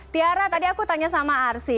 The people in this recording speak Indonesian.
tiara tadi aku tanya sama arsy